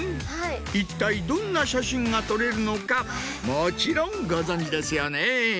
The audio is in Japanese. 一体どんな写真が撮れるのかもちろんご存じですよね？